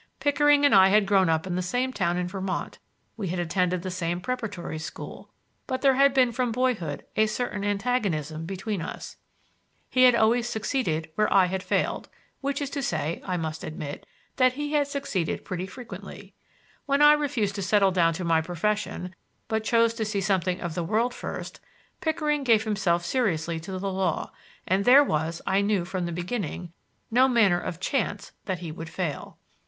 Pickering and I had grown up in the same town in Vermont; we had attended the same preparatory school, but there had been from boyhood a certain antagonism between us. He had always succeeded where I had failed, which is to say, I must admit, that he had succeeded pretty frequently. When I refused to settle down to my profession, but chose to see something of the world first, Pickering gave himself seriously to the law, and there was, I knew from the beginning, no manner of chance that he would fail.